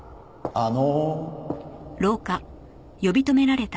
あの。